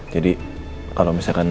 jadi kalau misalkan